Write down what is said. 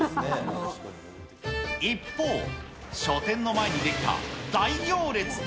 一方、書店の前に出来た大行列。